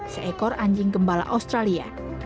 seekor anjing gembala australia